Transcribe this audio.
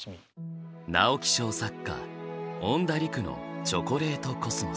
直木賞作家恩田陸の「チョコレートコスモス」。